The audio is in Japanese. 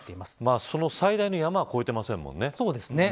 最大の山は超えていませんもんね。